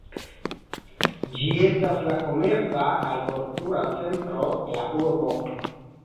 Ĝi estas la komerca kaj kultura centro de la urbo.